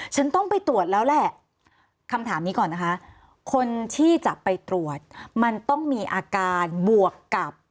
ฉันต้องไปตรวจแล้วแหละคำถามนี้ก่อนนะคะคนที่จะไปตรวจมันต้องมีอาการบวกกับ